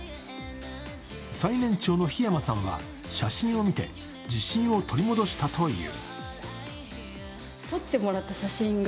最年長の檜山さんは写真を見て自信を取り戻したという。